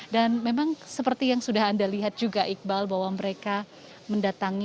dan memang seperti yang sudah anda lihat juga iqbal bahwa mereka mendatang